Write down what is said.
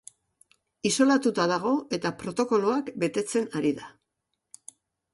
Isolatuta dago eta protokoloak betetzen ari da.